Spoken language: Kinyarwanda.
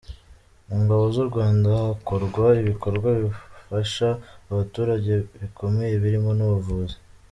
Mu ngabo z’u Rwanda, hakorwa ibikorwa bifasha abaturage bikomeye birimo n’ubuvuzi.